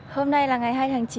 hôm nay là ngày hai tháng chín